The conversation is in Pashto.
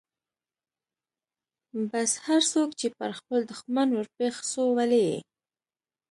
بس هرڅوک چې پر خپل دښمن ورپېښ سو ولي يې.